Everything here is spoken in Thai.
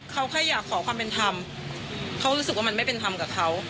เขาแค่อยากขอความเป็นธรรมเขารู้สึกว่ามันไม่เป็นธรรมกับเขา